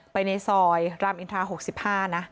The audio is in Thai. ไปในซอยรามอินทรา๖๕นะ